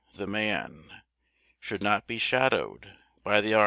The Man Should not be shadowed by the Artisan!